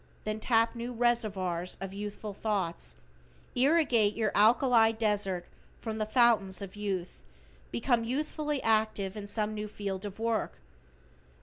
Then tap new reservoirs of youthful thoughts, irrigate your alkali desert from the fountains of youth, become youthfully active in some new field of work.